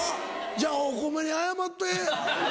じゃあお米に謝って。